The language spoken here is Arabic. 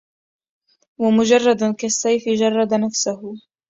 ومجرد كالسيف جرد نفسه